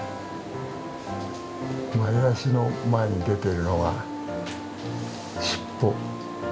前足の前に出てるのが尻尾。